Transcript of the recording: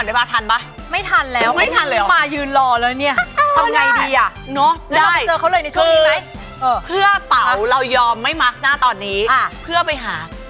เอางี้เดี๋ยวไปหาน้องเปล่าก่อนได้ป่ะ